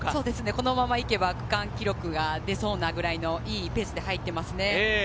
このまま行けば区間記録が出そうないいペースで入っていますね。